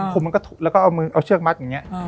คุมแล้วก็เอาเชือกมัดอย่างนี้